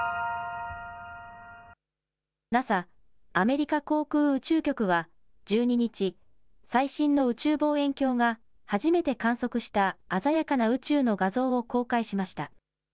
ＮＡＳＡ・アメリカ航空宇宙局は１２日、最新の宇宙望遠鏡が初めて観測した鮮やかな宇宙の画像を公開しました。